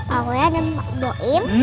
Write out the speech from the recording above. pak woyak dan pak poim